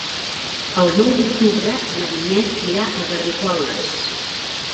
El nou d'octubre na Vinyet irà a Garrigoles.